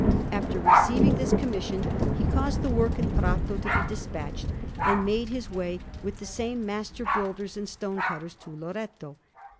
After receiving this commission, he caused the work in Prato to be despatched, and made his way, with the same master builders and stone cutters, to Loreto.